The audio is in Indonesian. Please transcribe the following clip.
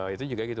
itu juga gitu